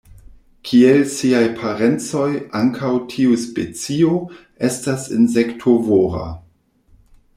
Kiel siaj parencoj, ankaŭ tiu specio estas insektovora.